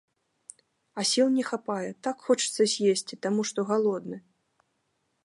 А сіл не хапае, так хочацца з'есці, таму што галодны.